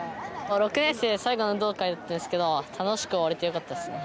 ６年生、最後の運動会だったんですけど、楽しく終われてよかったっすね。